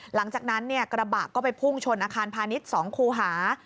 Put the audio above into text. หลังจากนั้นกระบะก็ไปพุ่งชนอาคารพาณิชย์๒คูหา